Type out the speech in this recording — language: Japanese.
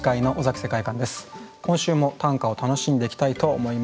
今週も短歌を楽しんでいきたいと思います。